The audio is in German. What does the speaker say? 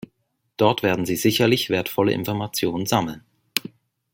Dort werden Sie sicherlich wertvolle Informationen sammeln.